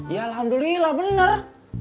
ya alhamdulillah bener